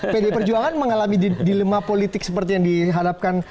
pdi perjuangan mengalami dilema politik seperti yang diharapkan